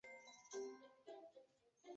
明命十六年成为皇长子长庆公府妾。